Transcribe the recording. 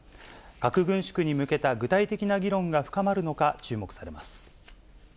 核軍縮に向けた具体的な議論が深まるのか注目されます。